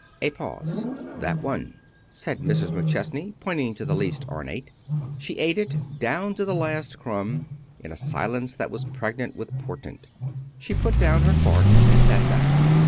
A pause. "That one," said Mrs. McChesney, pointing to the least ornate. She ate it, down to the last crumb, in a silence that was pregnant with portent. She put down her fork and sat back.